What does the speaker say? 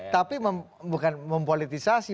tapi bukan mempolitisasi